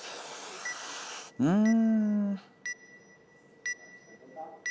うん。